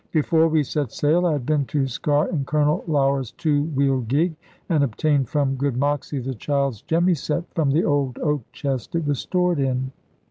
Before we set sail, I had been to Sker in Colonel Lougher's two wheeled gig, and obtained from good Moxy the child's jemmyset from the old oak chest it was stored in.